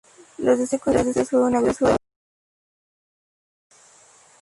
Los doce conciertos fueron agrupados en orden cronológico.